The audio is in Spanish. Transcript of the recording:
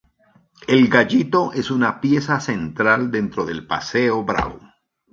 El Gallito es una pieza central dentro del Paseo Bravo.